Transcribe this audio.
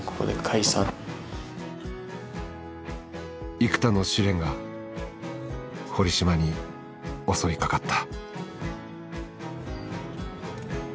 幾多の試練が堀島に襲いかかった。